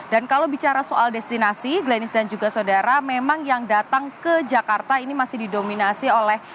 dan kalau bicara soal destinasi ganesh dan juga saudara memang yang datang ke jakarta ini masih didominasi oleh